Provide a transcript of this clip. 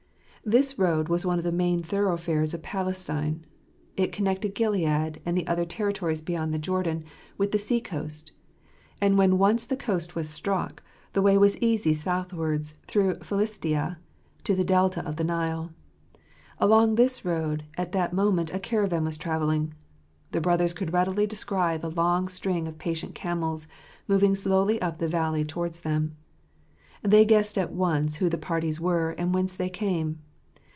This road was one of the main thorough fares of Palestine ; it connected Gilead and the other territories beyond the Jordan with the sea coast ; and when once the . coast was struck, the way was easy south wards through Philistia to the Delta of the Nile. Along this road at that moment a caravan was travelling. The brothers could readily descry the long string of patient camels moving slowly up the valley towards them. They guessed at once who the parties were and whence they came.